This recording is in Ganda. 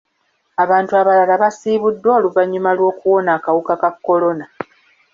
Abantu abalala basiibuddwa oluvannyuma lw'okuwona akawuka ka kolona.